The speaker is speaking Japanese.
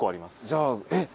じゃあえっ！